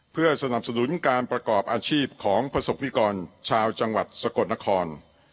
เพื่อสนับสนุนการประกอบอาชีพของประสบนิกรชาวจังหวัดสกลนคร